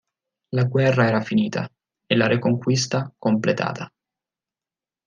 La guerra era finita e la reconquista completata.